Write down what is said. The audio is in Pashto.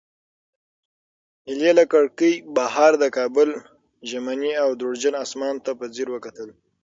هیلې له کړکۍ بهر د کابل ژمني او دوړجن اسمان ته په ځیر وکتل.